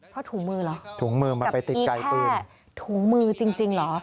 พ่อถูงมือเหรอกับอีแค่ถูงมือจริงเหรอ